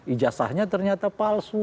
ijazahnya ternyata palsu